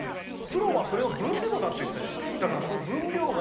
プロはそれを分量だって言ってたじゃん。